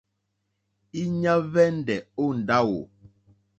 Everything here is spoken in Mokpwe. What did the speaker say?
Íɲá hwɛ́ndɛ̀ ó ndáwò.